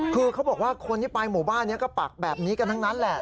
คือเขาบอกว่าคนที่ไปหมู่บ้านนี้ก็ปักแบบนี้กันทั้งนั้นแหละ